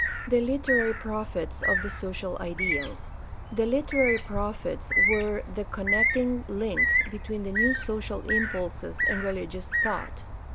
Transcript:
The literary prophets of the social ideal. — ^The literary prophets were the connecting link between the new social impulses and religious thought.